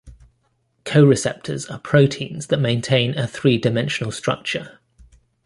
Co-receptors are proteins that maintain a three-dimensional structure.